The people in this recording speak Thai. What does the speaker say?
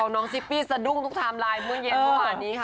ของน้องซิปปี้สะดุ้งทุกตามไลน์ประมาณวังเย็นพร้อมอย่างนี้ค่ะ